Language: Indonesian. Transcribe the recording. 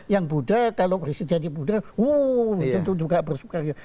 yang buddha kalau kristen jadi buddha wuuu tentu juga bersyukur ya